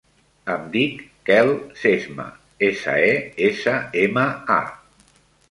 Em dic Quel Sesma: essa, e, essa, ema, a.